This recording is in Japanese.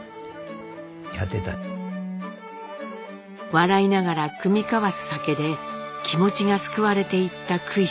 笑いながら酌み交わす酒で気持ちが救われていった九一。